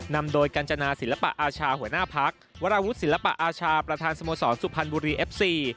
นำโดยกัญจนาศิลปะอาชาหัวหน้าพักวราวุฒิศิลปะอาชาประธานสโมสรสุพรรณบุรีเอฟซี